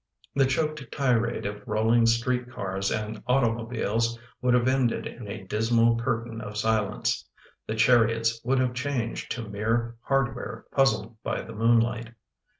The choked tirade of rolling street cars and automobiles would have ended in a dismal curtain of silence — the chariots would have changed to mere hard ware puzzled by the moonlight.